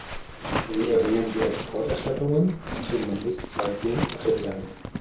Sie erhöhen die Exporterstattungen, zumindest bei den Rindern.